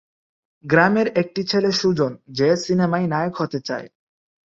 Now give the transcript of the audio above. গ্রামের একটি ছেলে সুজন যে সিনেমায় নায়ক হতে চায়।